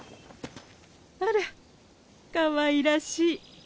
あらかわいらしい。